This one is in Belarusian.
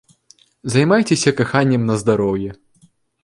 Займайцеся каханнем на здароўе!